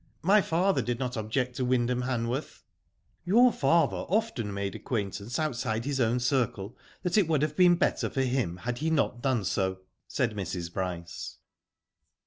My father did not object to Wyndham Hanworth.^' '* Your father often made acquaintance outside his own circle that it would have been better for him had he not done so/' said Mrs. Bryce.